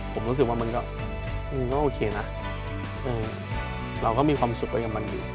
ผมรู้สึกว่ามันก็โอเคนะเราก็มีความสุขไว้กับมันอยู่